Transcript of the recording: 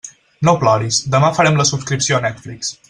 No ploris, demà farem la subscripció a Netflix.